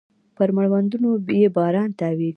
پر مړوندونو يې باران تاویږې